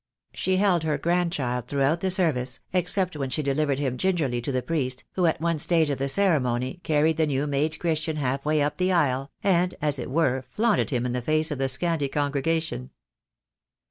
She held her grandchild throughout the service, except when she delivered him gingerly to the priest, who at one stage of the ceremony, carried the THE DAY WILL COME. 5 I new made Christian half way up the aisle, and, as it were, flaunted him in the face of the scanty congregation.